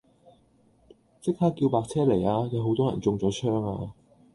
即刻叫白車嚟吖，有好多人中咗槍啊